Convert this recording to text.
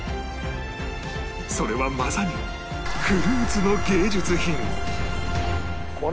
それはまさにフルーツの芸術品